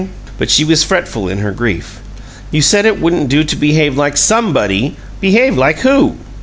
But she was fretful in her grief. "You said it wouldn't do to behave like SOMEBODY. Behave like WHO?"